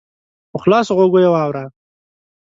په خلاصو غوږو یې واوره !